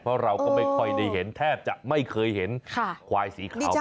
เพราะเราก็ไม่ค่อยได้เห็นแทบจะไม่เคยเห็นควายสีขาว